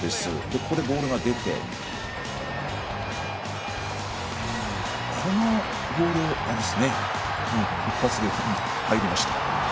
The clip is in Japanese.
ここでボールが出てこのボールを一発で入りました。